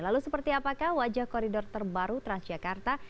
lalu seperti apakah wajah koridor terbaru transjakarta